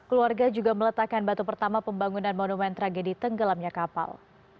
keluarga juga meletakkan batu pertama pembangunan monumen tragedi tenggelamnya kapal